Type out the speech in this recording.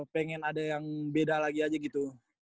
pengen ada yang beda lagi aja gitu